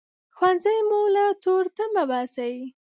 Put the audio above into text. ښوونځی مو له تورتمه باسي